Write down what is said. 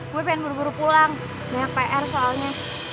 gue pengen buru buru pulang banyak pr soalnya